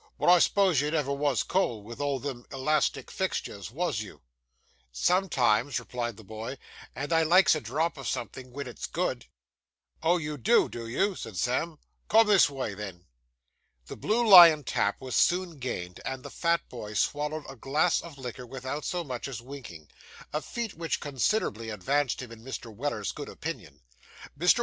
but I s'pose you never was cold, with all them elastic fixtures, was you?' 'Sometimes,' replied the boy; 'and I likes a drop of something, when it's good.' 'Oh, you do, do you?' said Sam, 'come this way, then!' The Blue Lion tap was soon gained, and the fat boy swallowed a glass of liquor without so much as winking a feat which considerably advanced him in Mr. Weller's good opinion. Mr.